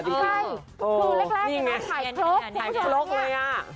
ใช่คือแรกน้องขายครก